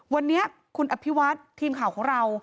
วันนี้คุณอภิวัฒน์ทีมข่าวของเรา